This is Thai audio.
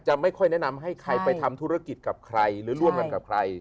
ไม่ค่อยแนะนำให้ใครไปทำธุรกิจกับใครหรือร่วมกันกับใคร